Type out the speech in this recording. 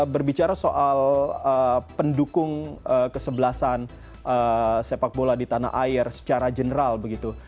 berbicara soal pendukung kesebelasan sepak bola di tanah air secara general begitu